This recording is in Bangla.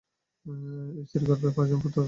এই স্ত্রীর গর্ভে বারজন পুত্র সন্তান জন্মলাভ করেন।